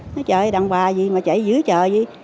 nói chạy đằng bà gì mà chạy dưới chạy gì